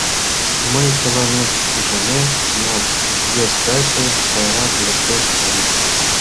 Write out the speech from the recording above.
Мый тыланет ӱшанем, но... вес каче, сайрак, лектеш гын?